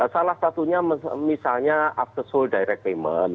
salah satunya misalnya up to sold direct payment